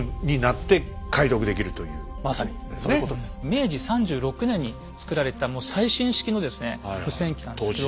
明治３６年に作られたもう最新式のですね無線機なんですけど。